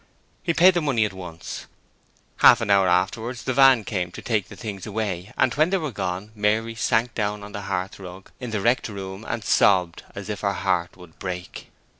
He paid the money at once; half an hour afterwards the van came to take the things away, and when they were gone, Mary sank down on the hearthrug in the wrecked room and sobbed as if her heart would break.